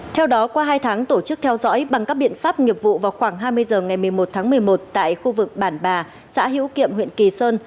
theo đó qua hai tháng tổ chức theo dõi bằng các biện pháp nghiệp vụ vào khoảng hai mươi h ngày một mươi một tháng một mươi một tại khu vực bản bà xã hữu kiệm huyện kỳ sơn